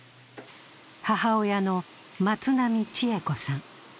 母親の松波千栄子さん。